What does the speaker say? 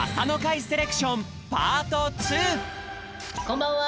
こんばんは！